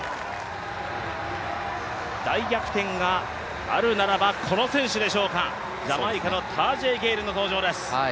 大逆転があるならば、この選手でしょうか、ジャマイカのタージェイ・ゲイルの登場です。